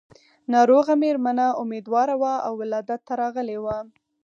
ناروغه مېرمنه اميدواره وه او ولادت ته راغلې وه.